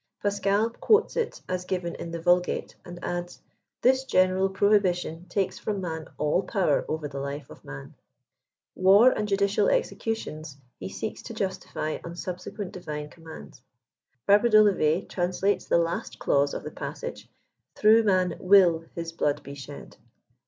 Pascal quotes it as given in the Vulgate, and adds, " this general prohibition takes from man all power over the life of man." War and judicial executions he ^eeks to justify on subsequent divine com mands. Fabre d'Olivet translates the last clause of the passage " through man will his blood be shed."